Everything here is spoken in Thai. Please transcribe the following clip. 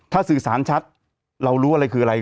ถ้าสื่อสารชัดเรารู้อะไรคืออะไร